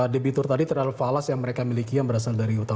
dan itu yang mereka khawatirkan